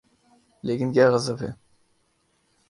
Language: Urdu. لیکن کیا غضب ہے۔